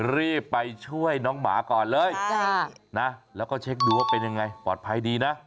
รีบไปช่วยน้องหมาก่อนเลยนะแล้วก็เช็คดูว่าเป็นยังไงปลอดภัยดีนะ